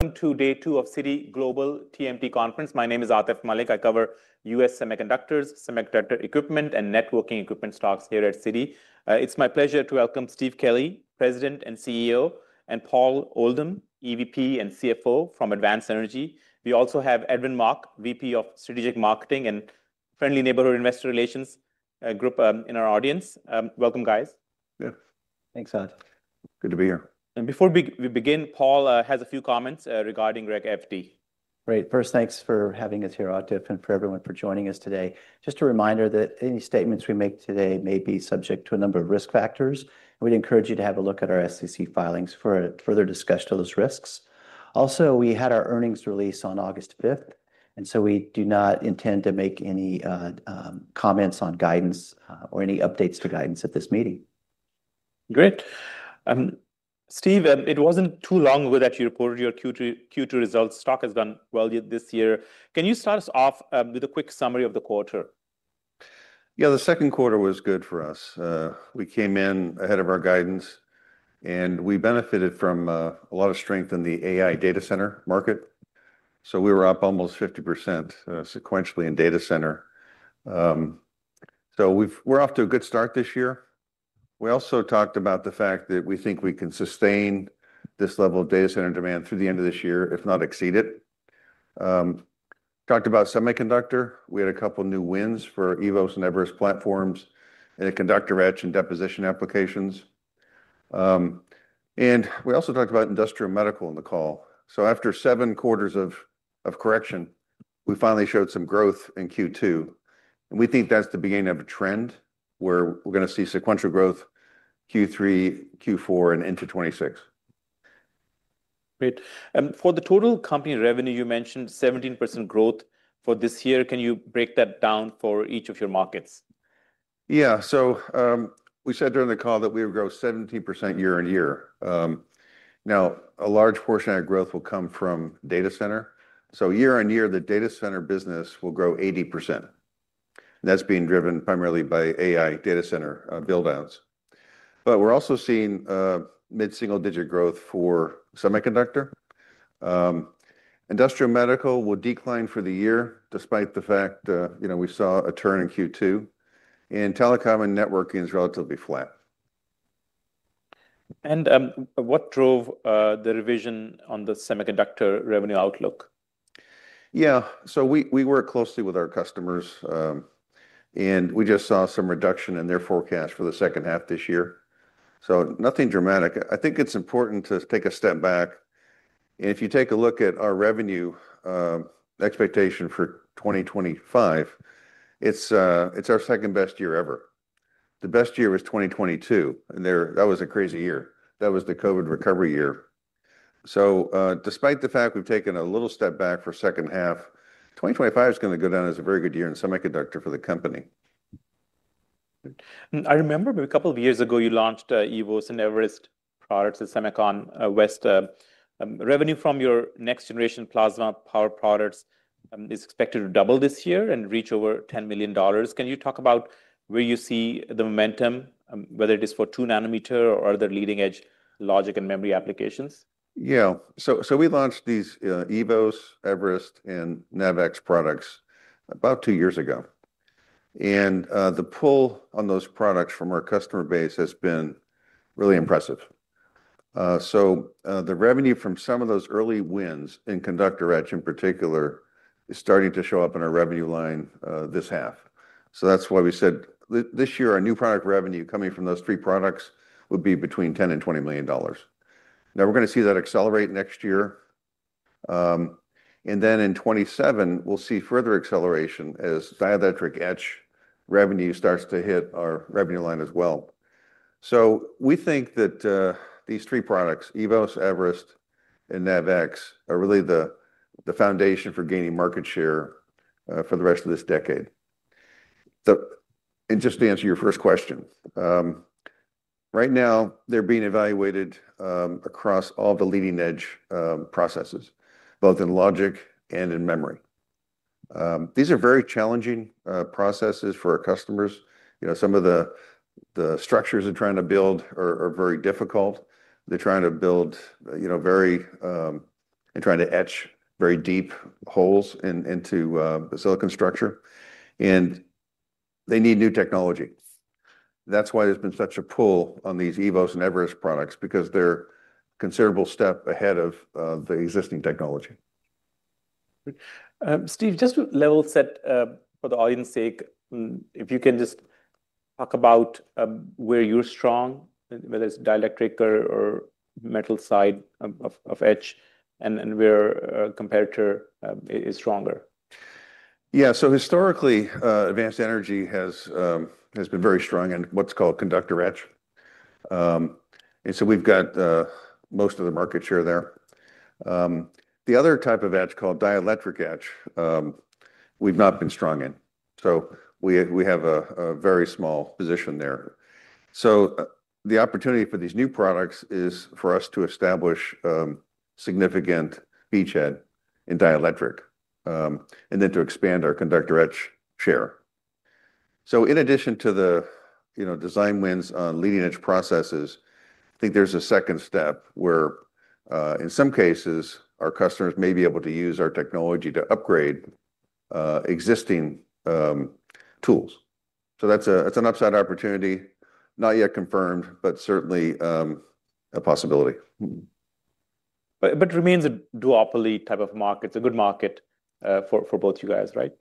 Welcome to Day 2 of Citi Global TMT Conference. My name is Atif Malik. I cover U.S. semiconductors, semiconductor equipment, and networking equipment stocks here at Citi. It's my pleasure to welcome Steve Kelley, President and CEO, and Paul Oldham, EVP and CFO from Advanced Energy Industries. We also have Edwin Mok, VP of Strategic Marketing and Investor Relations in our audience. Welcome, guys. Thanks, Atif. Good to be here. Before we begin, Paul has a few comments regarding REG FD. Right. First, thanks for having us here, Atif, and for everyone for joining us today. Just a reminder that any statements we make today may be subject to a number of risk factors. We would encourage you to have a look at our SEC filings for further discussion of those risks. Also, we had our earnings release on August 5, and we do not intend to make any comments on guidance or any updates to guidance at this meeting. Great. Steve, it wasn't too long ago that you reported your Q2 results. Stock has done well this year. Can you start us off with a quick summary of the quarter? Yeah, the second quarter was good for us. We came in ahead of our guidance, and we benefited from a lot of strength in the AI data center market. We were up almost 50% sequentially in data center, so we're off to a good start this year. We also talked about the fact that we think we can sustain this level of data center demand through the end of this year, if not exceed it. We talked about semiconductor. We had a couple of new wins for EVOS and Everest platforms in the conductor etch and deposition applications. We also talked about industrial medical in the call. After seven quarters of correction, we finally showed some growth in Q2, and we think that's the beginning of a trend where we're going to see sequential growth Q3, Q4, and into 2026. Great. For the total company revenue, you mentioned 17% growth for this year. Can you break that down for each of your markets? Yeah, so we said during the call that we would grow 17% year on year. Now, a large portion of that growth will come from data center. Year on year, the data center business will grow 80%. That's being driven primarily by AI data center buildouts. We're also seeing mid-single-digit growth for semiconductor. Industrial medical will decline for the year despite the fact that we saw a turn in Q2. Telecom and networking is relatively flat. What drove the revision on the semiconductor revenue outlook? Yeah, we work closely with our customers, and we just saw some reduction in their forecast for the second half this year. Nothing dramatic. I think it's important to take a step back. If you take a look at our revenue expectation for 2025, it's our second best year ever. The best year was 2022. That was a crazy year. That was the COVID recovery year. Despite the fact we've taken a little step back for the second half, 2025 is going to go down as a very good year in semiconductor for the company. I remember a couple of years ago you launched EVOS and Everest products at Semicon West. Revenue from your next-generation plasma power products is expected to double this year and reach over $10 million. Can you talk about where you see the momentum, whether it is for 2-nanometer or other leading-edge logic and memory applications? Yeah, so we launched these EVOS, Everest, and NAVX products about two years ago. The pull on those products from our customer base has been really impressive. The revenue from some of those early wins in conductor etch in particular is starting to show up in our revenue line this half. That's why we said this year our new product revenue coming from those three products would be between $10 million and $20 million. Now we're going to see that accelerate next year. In 2027, we'll see further acceleration as dielectric etch revenue starts to hit our revenue line as well. We think that these three products, EVOS, Everest, and NAVX, are really the foundation for gaining market share for the rest of this decade. Just to answer your first question, right now they're being evaluated across all of the leading-edge processes, both in logic and in memory. These are very challenging processes for our customers. Some of the structures they're trying to build are very difficult. They're trying to build very deep holes into the silicon structure, and they need new technology. That's why there's been such a pull on these EVOS and Everest products, because they're a considerable step ahead of the existing technology. Steve, just to level set for the audience's sake, if you can just talk about where you're strong, whether it's dielectric or metal side of etch, and where a competitor is stronger. Yeah, historically, Advanced Energy has been very strong in what's called conductor etch, and we've got most of the market share there. The other type of etch, called dielectric etch, we've not been strong in, so we have a very small position there. The opportunity for these new products is for us to establish a significant beachhead in dielectric and then to expand our conductor etch share. In addition to the design wins on leading-edge processes, I think there's a second step where, in some cases, our customers may be able to use our technology to upgrade existing tools. That's an upside opportunity, not yet confirmed, but certainly a possibility. It remains a duopoly type of market. It's a good market for both you guys, right?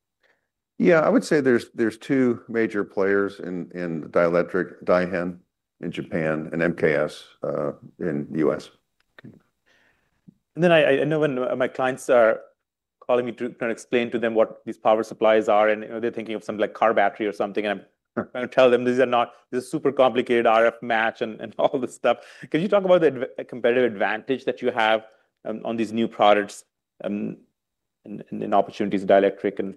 Yeah, I would say there's two major players in dielectric, Daihen Corporation in Japan and MKS Instruments in the U.S. I know when my clients are calling me to kind of explain to them what these power supplies are, and they're thinking of something like car battery or something, and I'm trying to tell them these are not, this is super complicated RF match and all this stuff. Can you talk about the competitive advantage that you have on these new products and the opportunities in dielectric?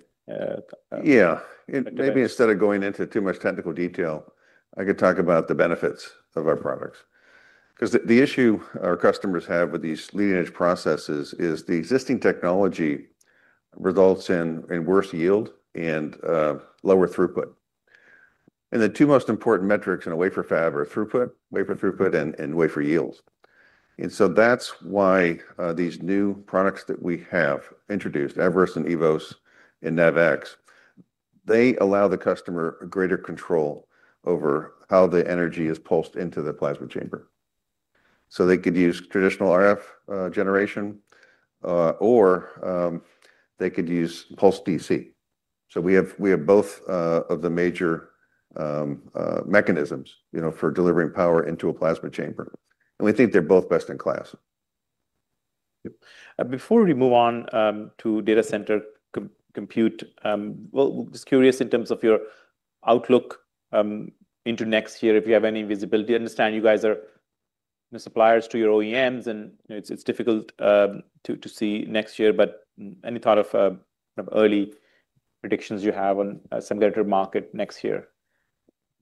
Maybe instead of going into too much technical detail, I could talk about the benefits of our products. The issue our customers have with these leading-edge processes is the existing technology results in worse yield and lower throughput. The two most important metrics in a wafer fab are throughput, wafer throughput, and wafer yields. That's why these new products that we have introduced, Everest, EVOS, and NAVX, allow the customer greater control over how the energy is pulsed into the plasma chamber. They could use traditional RF generation, or they could use pulsed DC. We have both of the major mechanisms for delivering power into a plasma chamber, and we think they're both best in class. Before we move on to data center compute, I'm just curious in terms of your outlook into next year, if you have any visibility. I understand you guys are suppliers to your OEMs, and it's difficult to see next year, but any thought of early predictions you have on the semiconductor market next year?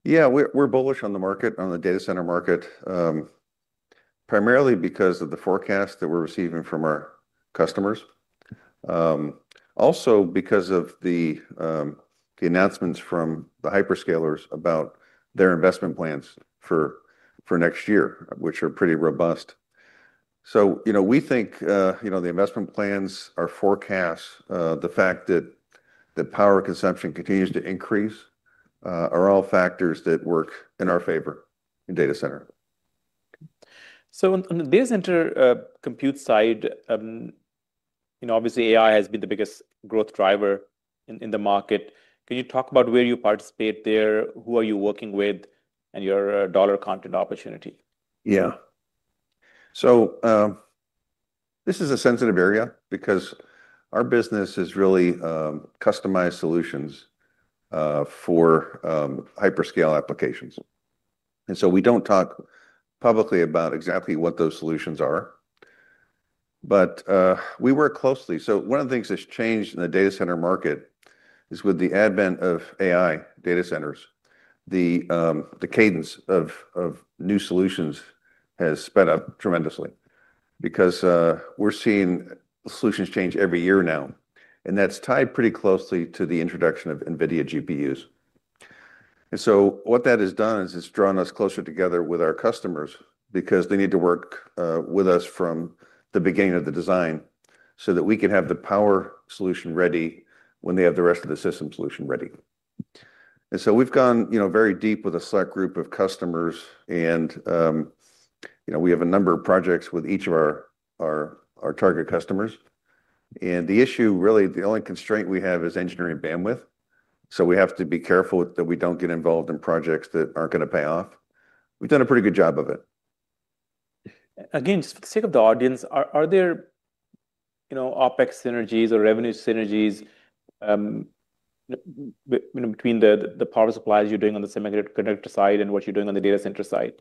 Yeah, we're bullish on the market, on the data center market, primarily because of the forecast that we're receiving from our customers. Also, because of the announcements from the hyperscalers about their investment plans for next year, which are pretty robust. We think the investment plans, our forecasts, the fact that power consumption continues to increase, are all factors that work in our favor in data center. On the data center compute side, obviously AI has been the biggest growth driver in the market. Can you talk about where you participate there, who are you working with, and your dollar content opportunity? Yeah, this is a sensitive area because our business is really customized solutions for hyperscale applications. We don't talk publicly about exactly what those solutions are. We work closely. One of the things that's changed in the data center market is with the advent of AI data centers, the cadence of new solutions has sped up tremendously because we're seeing solutions change every year now. That's tied pretty closely to the introduction of NVIDIA GPUs. What that has done is it's drawn us closer together with our customers because they need to work with us from the beginning of the design so that we can have the power solution ready when they have the rest of the system solution ready. We've gone very deep with a select group of customers, and we have a number of projects with each of our target customers. The issue, really, the only constraint we have is engineering bandwidth. We have to be careful that we don't get involved in projects that aren't going to pay off. We've done a pretty good job of it. Again, just for the sake of the audience, are there OpEx synergies or revenue synergies between the power supplies you're doing on the semiconductor side and what you're doing on the data center side?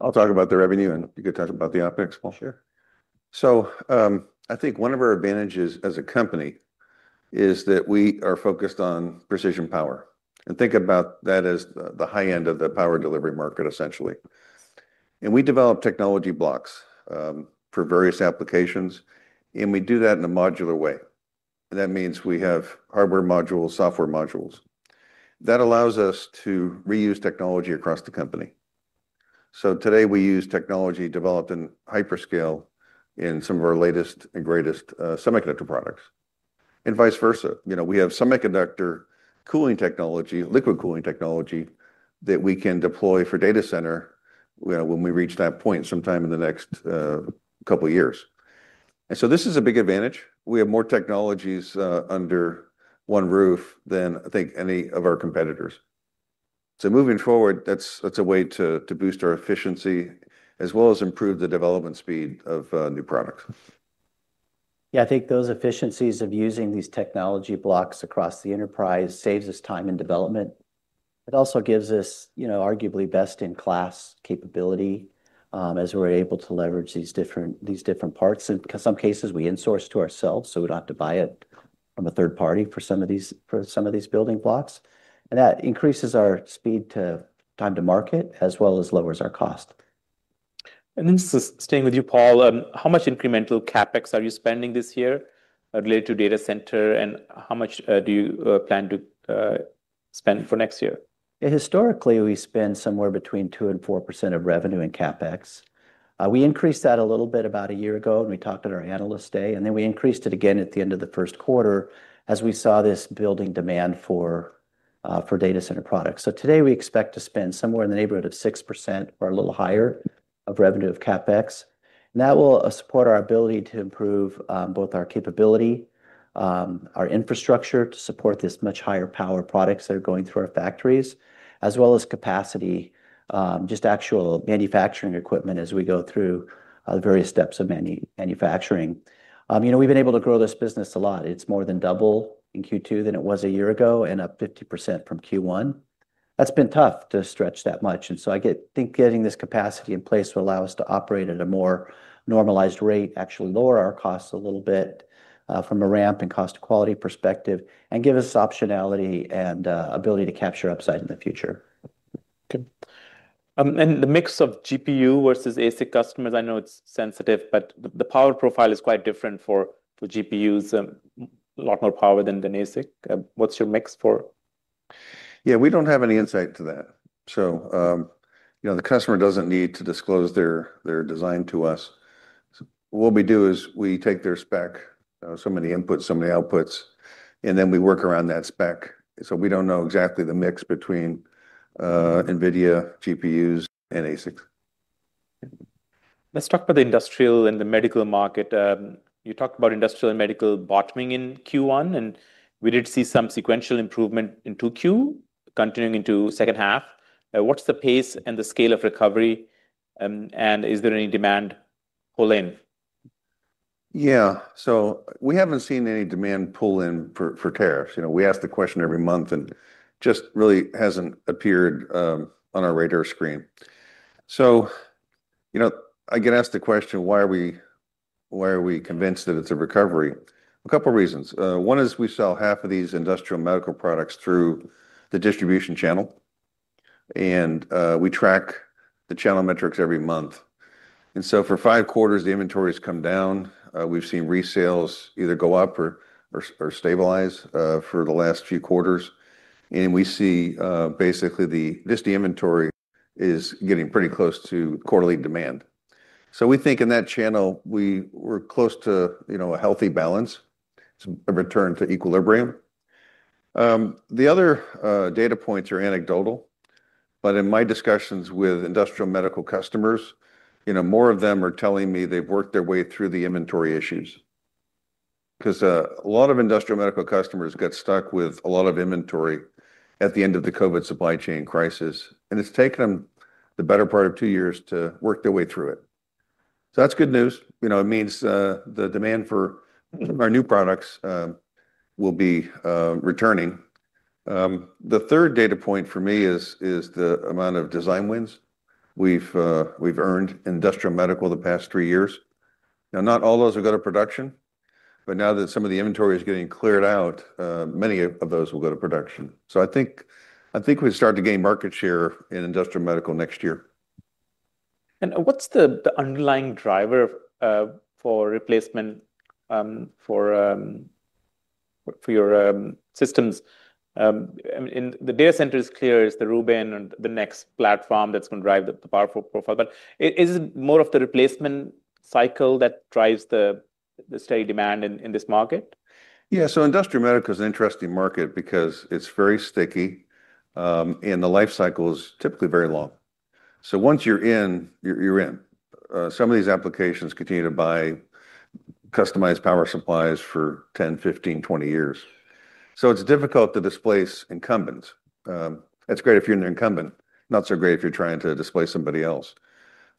I'll talk about the revenue, and you can talk about the OpEx. Sure. I think one of our advantages as a company is that we are focused on precision power. Think about that as the high end of the power delivery market, essentially. We develop technology blocks for various applications, and we do that in a modular way. That means we have hardware modules, software modules. That allows us to reuse technology across the company. Today we use technology developed in hyperscale in some of our latest and greatest semiconductor products, and vice versa. We have semiconductor cooling technology, liquid cooling technology that we can deploy for data center when we reach that point sometime in the next couple of years. This is a big advantage. We have more technologies under one roof than I think any of our competitors. Moving forward, that's a way to boost our efficiency as well as improve the development speed of new products. Yeah, I think those efficiencies of using these technology blocks across the enterprise save us time in development. It also gives us, you know, arguably best-in-class capability as we're able to leverage these different parts. In some cases, we insource to ourselves, so we don't have to buy it from a third party for some of these building blocks. That increases our speed to time to market as well as lowers our cost. Paul, how much incremental CapEx are you spending this year related to data center, and how much do you plan to spend for next year? Historically, we spend somewhere between 2% and 4% of revenue in CapEx. We increased that a little bit about a year ago, and we talked at our analyst day, and then we increased it again at the end of the first quarter as we saw this building demand for data center products. Today we expect to spend somewhere in the neighborhood of 6% or a little higher of revenue of CapEx. That will support our ability to improve both our capability, our infrastructure to support this much higher power products that are going through our factories, as well as capacity, just actual manufacturing equipment as we go through the various steps of manufacturing. We've been able to grow this business a lot. It's more than double in Q2 than it was a year ago and up 50% from Q1. That's been tough to stretch that much. I think getting this capacity in place will allow us to operate at a more normalized rate, actually lower our costs a little bit from a ramp and cost-to-quality perspective, and give us optionality and ability to capture upside in the future. The mix of GPU versus ASIC customers, I know it's sensitive, but the power profile is quite different for GPUs, a lot more power than ASIC. What's your mix for? Yeah, we don't have any insight to that. The customer doesn't need to disclose their design to us. What we do is we take their spec, some of the inputs, some of the outputs, and then we work around that spec. We don't know exactly the mix between NVIDIA GPUs and ASIC. Let's talk about the industrial and the medical market. You talked about industrial and medical bottoming in Q1, and we did see some sequential improvement in Q2, continuing into the second half. What's the pace and the scale of recovery, and is there any demand pull-in? Yeah, we haven't seen any demand pull-in for tariffs. We ask the question every month and it just really hasn't appeared on our radar screen. I get asked the question, why are we convinced that it's a recovery? A couple of reasons. One is we sell half of these industrial medical products through the distribution channel, and we track the channel metrics every month. For five quarters, the inventory has come down. We've seen resales either go up or stabilize for the last few quarters, and we see basically just the inventory is getting pretty close to quarterly demand. We think in that channel, we're close to a healthy balance. It's a return to equilibrium. The other data points are anecdotal, but in my discussions with industrial medical customers, more of them are telling me they've worked their way through the inventory issues. A lot of industrial medical customers got stuck with a lot of inventory at the end of the COVID supply chain crisis, and it's taken them the better part of two years to work their way through it. That's good news. It means the demand for our new products will be returning. The third data point for me is the amount of design wins we've earned in industrial medical the past three years. Not all those will go to production, but now that some of the inventory is getting cleared out, many of those will go to production. I think we've started to gain market share in industrial medical next year. What is the underlying driver for replacement for your systems? The data center is clear as the Rubin and the next platform that's going to drive the powerful profile. Is it more of the replacement cycle that drives the steady demand in this market? Yeah, industrial medical is an interesting market because it's very sticky, and the life cycle is typically very long. Once you're in, you're in. Some of these applications continue to buy customized power supplies for 10years-20 years. It's difficult to displace incumbents. That's great if you're an incumbent, not so great if you're trying to displace somebody else.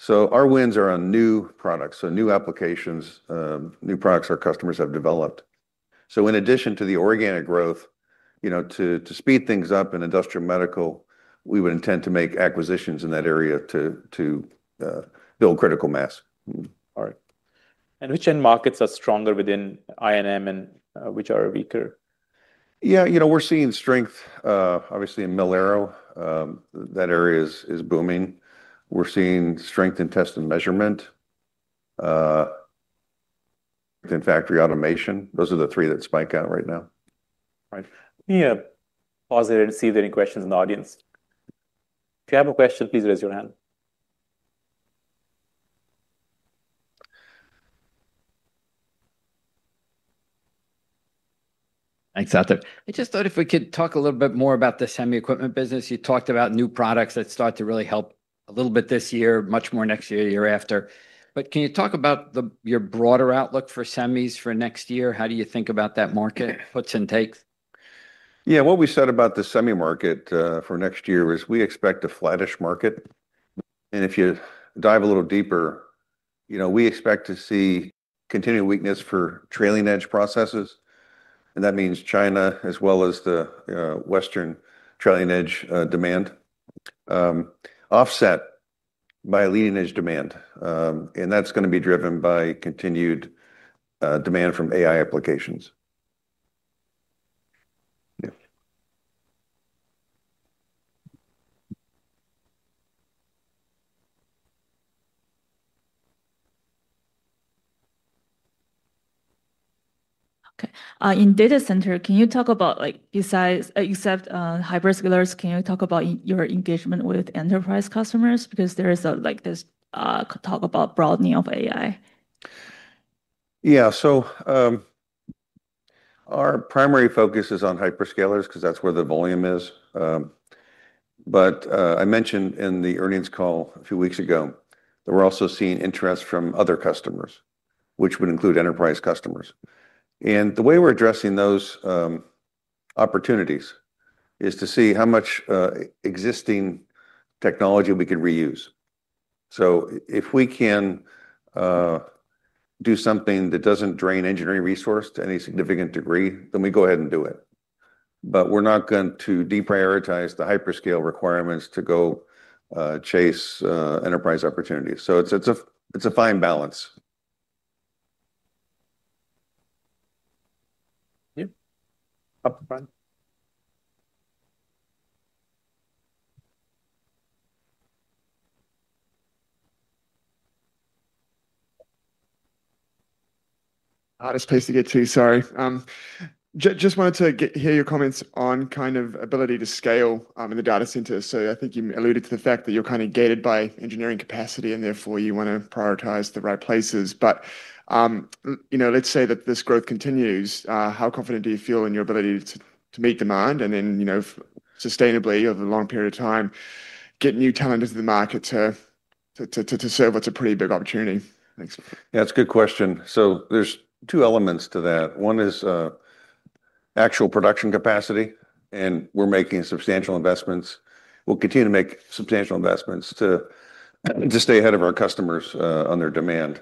Our wins are on new products, new applications, new products our customers have developed. In addition to the organic growth, to speed things up in industrial medical, we would intend to make acquisitions in that area to build critical mass. Which end markets are stronger within INM and which are weaker? Yeah, you know, we're seeing strength, obviously, in industrial. That area is booming. We're seeing strength in test and measurement, in factory automation. Those are the three that spike out right now. Right. Let me pause there to see if there are any questions in the audience. If you have a question, please raise your hand. Thanks, Atif. I just thought if we could talk a little bit more about the semi-equipment business. You talked about new products that start to really help a little bit this year, much more next year, year after. Can you talk about your broader outlook for semis for next year? How do you think about that market, what's intake? Yeah, what we said about the semi market for next year is we expect a flattish market. If you dive a little deeper, you know, we expect to see continued weakness for trailing edge processes. That means China as well as the Western trailing edge demand, offset by leading edge demand. That's going to be driven by continued demand from AI applications. Okay. In data center, can you talk about, like you said, hyperscalers, can you talk about your engagement with enterprise customers? Because there is like this talk about broadening of AI. Yeah, our primary focus is on hyperscalers because that's where the volume is. I mentioned in the earnings call a few weeks ago that we're also seeing interest from other customers, which would include enterprise customers. The way we're addressing those opportunities is to see how much existing technology we could reuse. If we can do something that doesn't drain engineering resource to any significant degree, then we go ahead and do it. We're not going to deprioritize the hyperscale requirements to go chase enterprise opportunities. It's a fine balance. Atif Braun. Hardest place to get to, sorry. Just wanted to hear your comments on kind of ability to scale in the data center. I think you alluded to the fact that you're kind of gated by engineering capacity and therefore you want to prioritize the right places. Let's say that this growth continues. How confident do you feel in your ability to meet demand and then, you know, sustainably over a long period of time get new talent into the market to serve what's a pretty big opportunity? Yeah, that's a good question. There are two elements to that. One is actual production capacity, and we're making substantial investments. We'll continue to make substantial investments to stay ahead of our customers on their demand.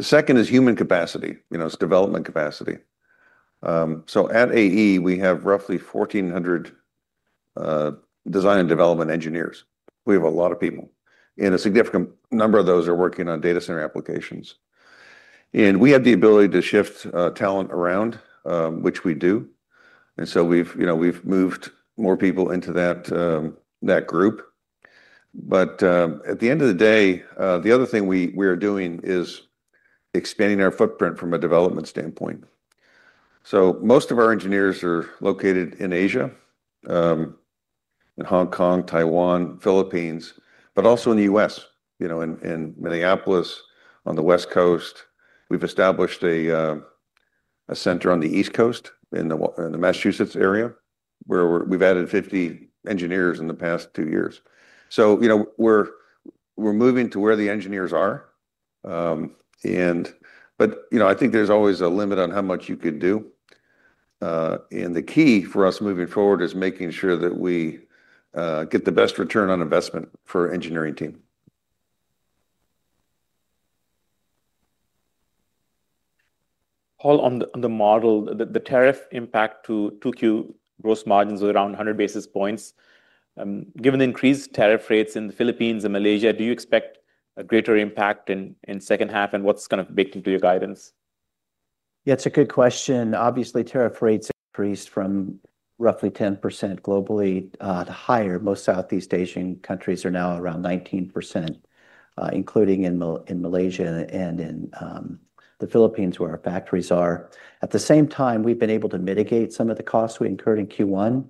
The second is human capacity. You know, it's development capacity. At Advanced Energy Industries, we have roughly 1,400 design and development engineers. We have a lot of people, and a significant number of those are working on data center applications. We have the ability to shift talent around, which we do, and we've moved more people into that group. At the end of the day, the other thing we are doing is expanding our footprint from a development standpoint. Most of our engineers are located in Asia, in Hong Kong, Taiwan, Philippines, but also in the U.S., in Minneapolis, on the West Coast. We've established a center on the East Coast in the Massachusetts area where we've added 50 engineers in the past two years. We're moving to where the engineers are. I think there's always a limit on how much you can do, and the key for us moving forward is making sure that we get the best return on investment for our engineering team. Paul, on the model, the tariff impact to 2Q gross margins was around 100 basis points. Given the increased tariff rates in the Philippines and Malaysia, do you expect a greater impact in the second half? What's kind of baked into your guidance? Yeah, it's a good question. Obviously, tariff rates increased from roughly 10% globally to higher. Most Southeast Asian countries are now around 19%, including in Malaysia and in the Philippines where our factories are. At the same time, we've been able to mitigate some of the costs we incurred in Q1.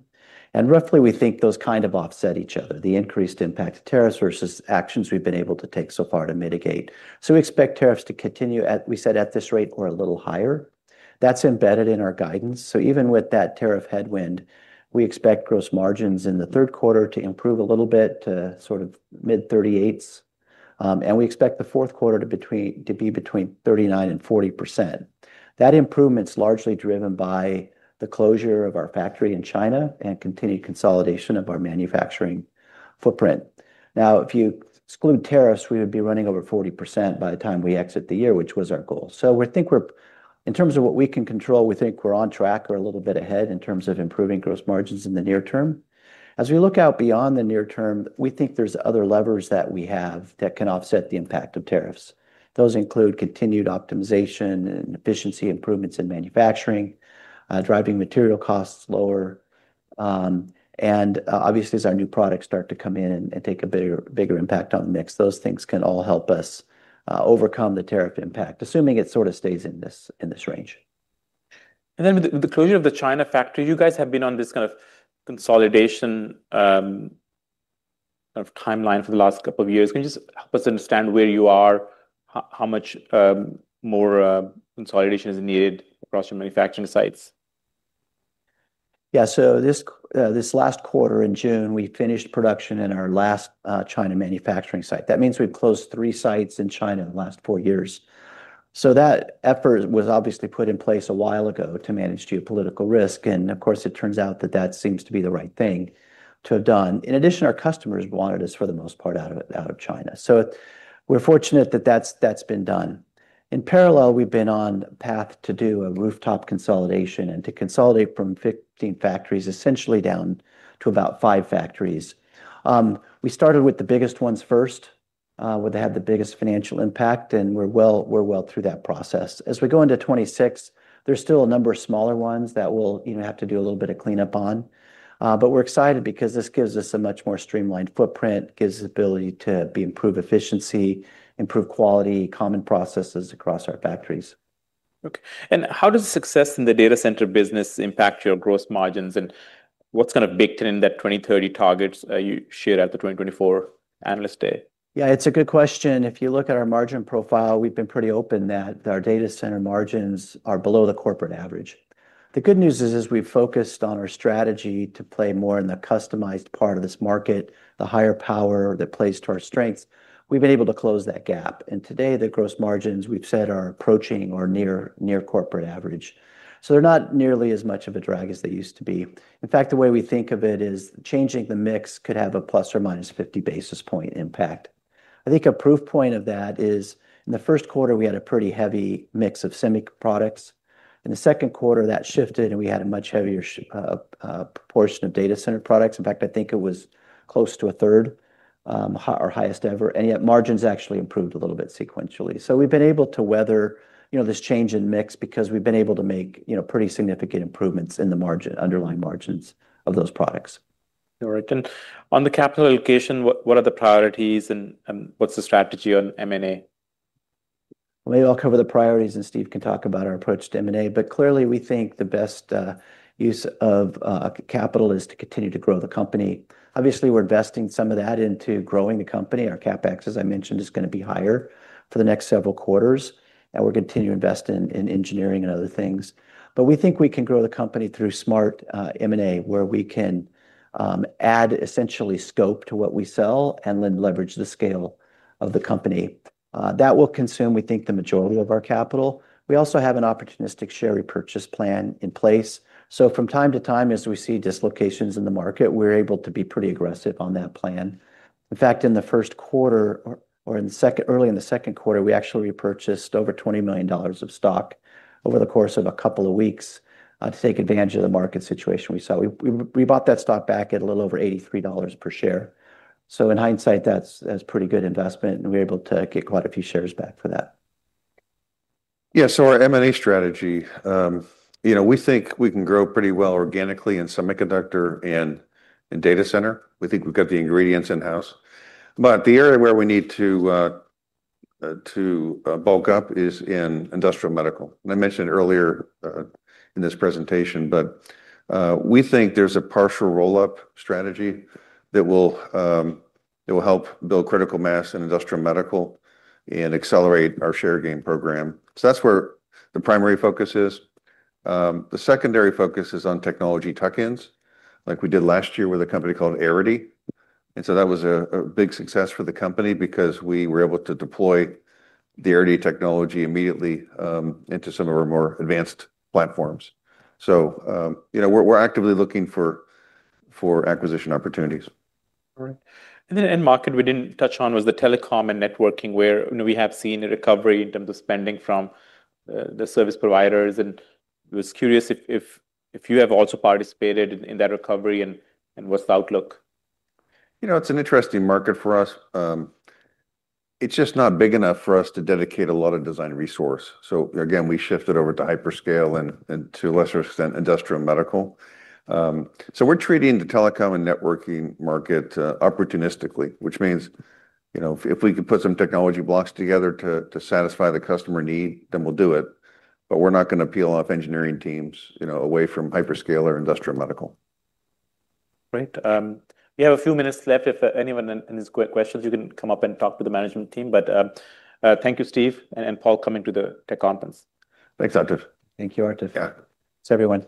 Roughly, we think those kind of offset each other, the increased impact of tariffs versus actions we've been able to take so far to mitigate. We expect tariffs to continue, we said, at this rate or a little higher. That's embedded in our guidance. Even with that tariff headwind, we expect gross margins in the third quarter to improve a little bit to sort of mid 38%. We expect the fourth quarter to be between 39% and 40%. That improvement is largely driven by the closure of our factory in China and continued consolidation of our manufacturing footprint. If you exclude tariffs, we would be running over 40% by the time we exit the year, which was our goal. We think we're, in terms of what we can control, on track or a little bit ahead in terms of improving gross margins in the near term. As we look out beyond the near term, we think there's other levers that we have that can offset the impact of tariffs. Those include continued optimization and efficiency improvements in manufacturing, driving material costs lower. Obviously, as our new products start to come in and take a bigger impact on the mix, those things can all help us overcome the tariff impact, assuming it sort of stays in this range. With the closure of the China factory, you guys have been on this kind of consolidation timeline for the last couple of years. Can you just help us understand where you are, how much more consolidation is needed across your manufacturing sites? Yeah, so this last quarter in June, we finished production in our last China manufacturing site. That means we closed three sites in China in the last four years. That effort was obviously put in place a while ago to manage geopolitical risk. Of course, it turns out that that seems to be the right thing to have done. In addition, our customers wanted us, for the most part, out of China. We're fortunate that that's been done. In parallel, we've been on a path to do a rooftop consolidation and to consolidate from 15 factories essentially down to about five factories. We started with the biggest ones first, where they had the biggest financial impact, and we're well through that process. As we go into 2026, there's still a number of smaller ones that we'll have to do a little bit of cleanup on. We're excited because this gives us a much more streamlined footprint, gives us the ability to improve efficiency, improve quality, common processes across our factories. Okay. How does the success in the data center business impact your gross margins? What's kind of baked in that 2030 targets you shared at the 2024 analyst day? Yeah, it's a good question. If you look at our margin profile, we've been pretty open that our data center margins are below the corporate average. The good news is we've focused on our strategy to play more in the customized part of this market, the higher power that plays to our strengths. We've been able to close that gap. Today, the gross margins we've said are approaching or near corporate average. They're not nearly as much of a drag as they used to be. In fact, the way we think of it is changing the mix could have a plus or minus 50 basis point impact. I think a proof point of that is in the first quarter, we had a pretty heavy mix of semiconductor products. In the second quarter, that shifted and we had a much heavier proportion of data center products. In fact, I think it was close to a third, our highest ever, and yet margins actually improved a little bit sequentially. We've been able to weather this change in mix because we've been able to make pretty significant improvements in the underlying margins of those products. All right. On the capital allocation, what are the priorities and what's the strategy on M&A? I will cover the priorities and Steve can talk about our approach to M&A. Clearly, we think the best use of capital is to continue to grow the company. Obviously, we're investing some of that into growing the company. Our CapEx, as I mentioned, is going to be higher for the next several quarters. We're going to continue to invest in engineering and other things. We think we can grow the company through smart M&A where we can add essentially scope to what we sell and then leverage the scale of the company. That will consume, we think, the majority of our capital. We also have an opportunistic share repurchase plan in place. From time to time, as we see dislocations in the market, we're able to be pretty aggressive on that plan. In fact, in the first quarter or early in the second quarter, we actually repurchased over $20 million of stock over the course of a couple of weeks to take advantage of the market situation we saw. We bought that stock back at a little over $83 per share. In hindsight, that's a pretty good investment and we're able to get quite a few shares back for that. Yeah, so our M&A strategy, you know, we think we can grow pretty well organically in semiconductor and data center. We think we've got the ingredients in-house. The area where we need to bulk up is in industrial medical. I mentioned it earlier in this presentation, but we think there's a partial roll-up strategy that will help build critical mass in industrial medical and accelerate our share gain program. That's where the primary focus is. The secondary focus is on technology tuck-ins, like we did last year with a company called Eridi. That was a big success for the company because we were able to deploy the Eridi technology immediately into some of our more advanced platforms. We're actively looking for acquisition opportunities. All right. In the end market, we didn't touch on the telecom and networking where we have seen a recovery in terms of spending from the service providers. I was curious if you have also participated in that recovery and what's the outlook? You know, it's an interesting market for us. It's just not big enough for us to dedicate a lot of design resource. Again, we shifted over to hyperscale and to a lesser extent industrial medical. We're treating the telecom and networking market opportunistically, which means if we could put some technology blocks together to satisfy the customer need, then we'll do it. We're not going to peel off engineering teams away from hyperscale or industrial medical. Great. We have a few minutes left. If anyone has questions, you can come up and talk to the management team. Thank you, Steve and Paul, for coming to the Tech Conference. Thanks, Atif. Thank you, Atif. Yeah, it's everyone.